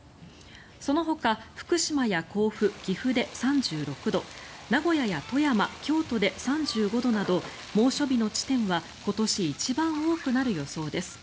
そのほか福島や甲府、岐阜で３６度名古屋や富山、京都で３５度など猛暑日の地点は今年一番多くなる予想です。